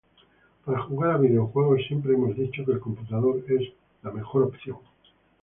Para jugar a videojuegos, siempre hemos dicho que el computador es la mejor opción